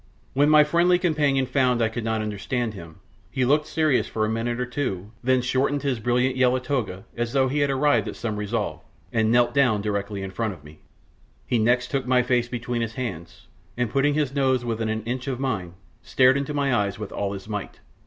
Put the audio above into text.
When my friendly companion found I could not understand him, he looked serious for a minute or two, then shortened his brilliant yellow toga, as though he had arrived at some resolve, and knelt down directly in front of me. He next took my face between his hands, and putting his nose within an inch of mine, stared into my eyes with all his might.